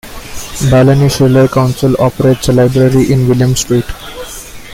Balonne Shire Council operates a library in William Street.